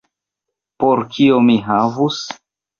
Por kio mi havus?